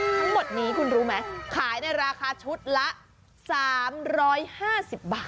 ทั้งหมดนี้คุณรู้ไหมขายในราคาชุดละ๓๕๐บาท